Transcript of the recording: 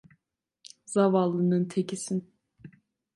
Zavallının tekisin.